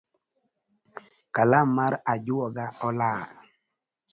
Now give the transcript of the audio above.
Kalam mar ajuoga olal